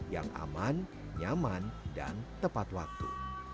yang aman nyaman dan tepat waktu